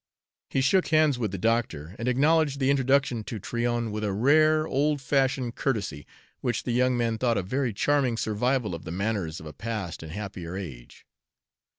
He shook hands with the doctor, and acknowledged the introduction to Tryon with a rare old fashioned courtesy, which the young man thought a very charming survival of the manners of a past and happier age.